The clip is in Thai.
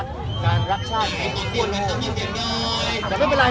ก็ไม่เหลือว่านักเรียนบ้างเลยค่ะ